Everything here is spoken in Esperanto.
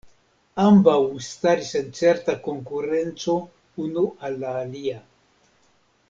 Ambaŭ staris en certa konkurenco unu al la alia.